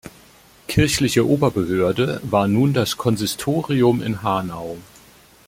Kirchliche Oberbehörde war nun das Konsistorium in Hanau.